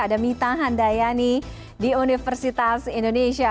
ada mita handayani di universitas indonesia